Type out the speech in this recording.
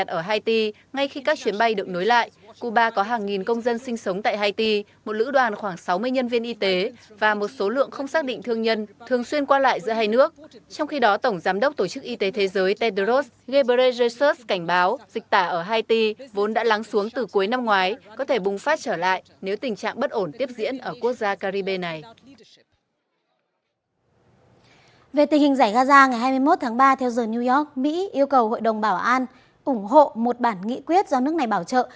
hai mươi một tháng ba theo giờ new york mỹ yêu cầu hội đồng bảo an ủng hộ một bản nghị quyết do nước này bảo trợ